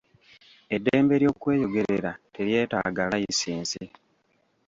Eddembe ly'okweyogerera teryetaaga layisinsi.